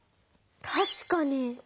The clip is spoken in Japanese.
たしかに。